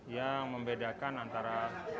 yang membedakan antara